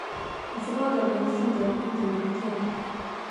زغال د افغانستان د اقلیم ځانګړتیا ده.